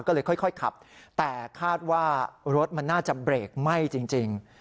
ก็เลยค่อยขับแต่คาดว่ารถมันน่าจะเบรกไหม้จริง